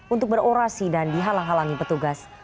untuk berorasi dan dihalang halangi petugas